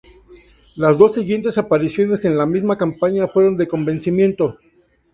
Las dos siguientes apariciones en la misma campaña fueron de convencimiento.